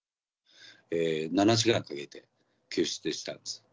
７時間かけて救出したんです。